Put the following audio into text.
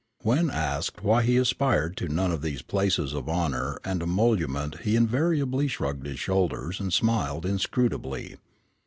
When asked why he aspired to none of these places of honor and emolument he invariably shrugged his shoulders and smiled inscrutably.